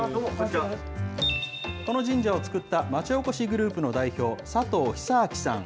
この神社を作った町おこしグループの代表、佐藤久彰さん。